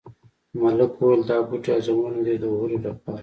ملک وویل دا بوټي او ځنګلونه دي د وهلو لپاره.